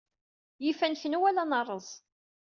Yif ad neknu wala ad nerreẓ.